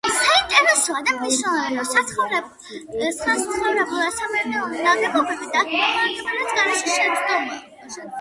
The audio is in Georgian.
საინტერესოა და მნიშვნელოვანი, რომ საცხოვრებელი და სამეურნეო ნაგებობები დაგეგმარების გარეშე შენდებოდა.